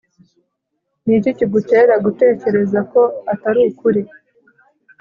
Ni iki kigutera gutekereza ko atari ukuri